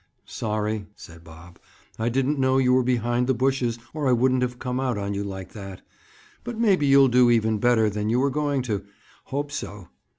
"Sorry," said Bob. "I didn't know you were behind the bushes or I wouldn't have come out on you like that. But maybe you'll do even better than you were going to. Hope so!